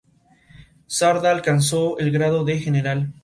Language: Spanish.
Sardá alcanzó el grado de general.